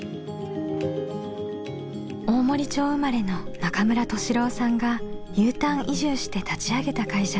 大森町生まれの中村俊郎さんがＵターン移住して立ち上げた会社です。